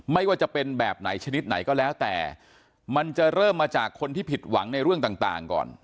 ไม่ว่าจะเป็นแบบไหนชนิดไหนก็แล้วแต่มันจะเริ่มมาจากคนที่ผิดหวังในเรื่องต่างก่อน